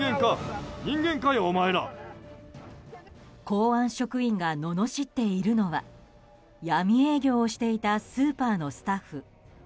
公安職員がののしっているのは闇営業をしていたスーパーのスタッフ。